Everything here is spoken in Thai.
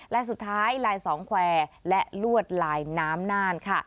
และสุดท้ายลายสองแควร์และลวดลายน้ำน่าน